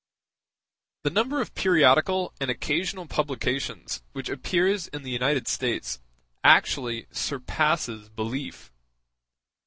The number of periodical and occasional publications which appears in the United States actually surpasses belief.